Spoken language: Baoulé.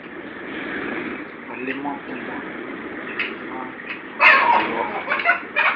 Ɔ leman kunman naan ɔ ti wɔ.